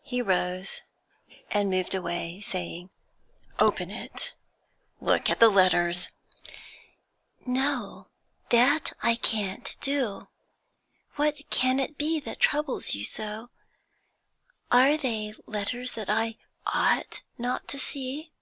He rose and moved away, saying 'Open it! Look at the letters!' 'No, that I can't do. What can it be that troubles you so? Are they letters that I ought not to see?'